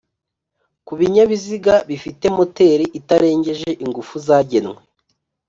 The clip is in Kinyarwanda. ku binyabiziga bifite moteri itarengeje ingufu zagenwe